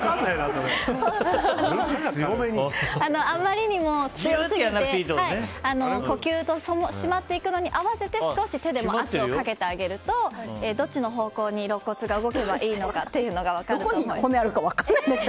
あまりにも強すぎて呼吸と締まっていくのに合わせて少し手でも圧をかけてあげるとどっちの方向にろっ骨が動けばいいのかが分かると思います。